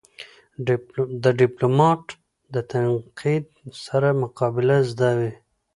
د ډيپلومات د تنقید سره مقابله زده وي.